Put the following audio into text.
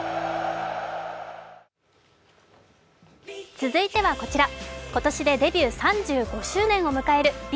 続いてはこちら、今年でデビュー３５周年を迎えるＢ